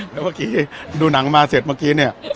แล้วเมื่อกี้ดูหนังมาเสร็จเมื่อกี้เนี่ย